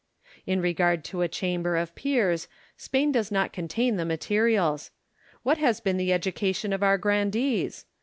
In regard to a Chamber of Peers, Spain does not contain the materials. What has been the education of our grandees?